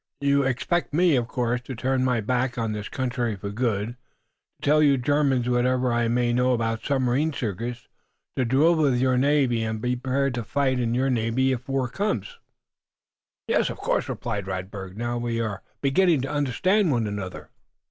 "You expect me, of course, to turn my back on this country for good, to tell you Germans whatever I may know about submarine secrets, to drill with your navy, and be prepared to fight in your navy if war comes?" "Ach, yes! of course," replied Radberg. "Now, we are beginning to understand one another."